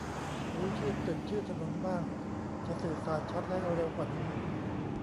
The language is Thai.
รู้ชื่อตึก ชื่อถนนบ้าง จะสื่อสารชัดและเร็วกว่านี้